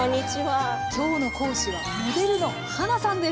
今日の講師はモデルのはなさんです。